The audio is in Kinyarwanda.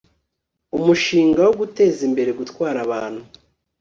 umushinga wo guteza imbere gutwara abantu